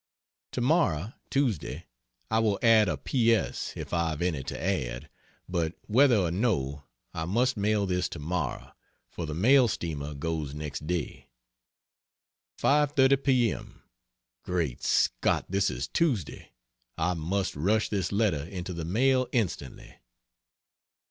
To morrow (Tuesday) I will add a P. S. if I've any to add; but, whether or no, I must mail this to morrow, for the mail steamer goes next day. 5.30 p. m. Great Scott, this is Tuesday! I must rush this letter into the mail instantly.